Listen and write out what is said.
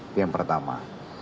itu yang pertama